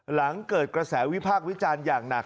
หลังเกิดกระแสวิพากษ์วิจารณ์อย่างหนัก